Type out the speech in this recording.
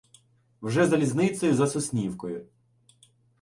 вже залізницею за Соснівкою.